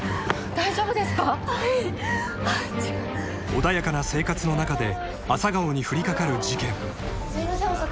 ［穏やかな生活の中で朝顔に降り掛かる事件］